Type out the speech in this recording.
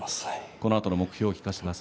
このあとの目標を聞かせてください。